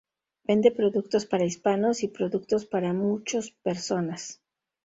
Vende productos para hispanos y productos para muchos personas.